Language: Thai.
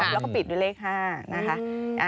แล้วก็ปิดด้วยเลข๕นะคะ